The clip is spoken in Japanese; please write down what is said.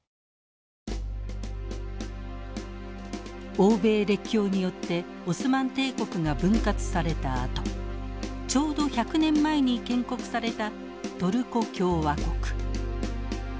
欧米列強によってオスマン帝国が分割されたあとちょうど１００年前に建国されたトルコ共和国。